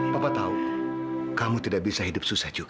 papa tahu itu sosok kalian tidak bisa hidup dengan penanggung